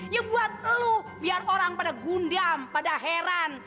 ya buat lu biar orang pada gundam pada heran